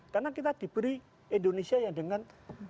karena kita diberi indonesia yang dengan